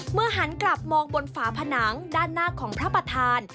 หันกลับมองบนฝาผนังด้านหน้าของพระประธาน